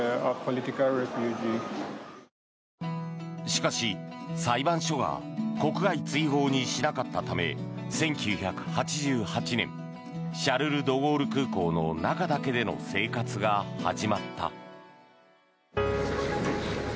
しかし、裁判所が国外追放にしなかったため１９８８年シャルル・ドゴール空港の中だけでの生活が始まった。